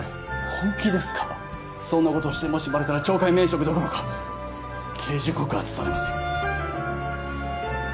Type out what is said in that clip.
本気ですかそんなことをしてもしバレたら懲戒免職どころか刑事告発されますよ